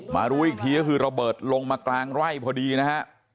รู้อีกทีก็คือระเบิดลงมากลางไร่พอดีนะฮะ